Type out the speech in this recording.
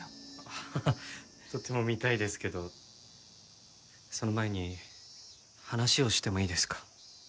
ハハハとても見たいですけどその前に話をしてもいいですか？